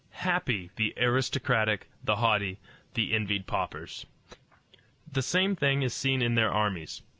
Happy the aristocratic, the haughty, the envied paupers! The same thing is seen in their armies.